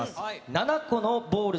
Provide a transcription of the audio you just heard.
７個のボール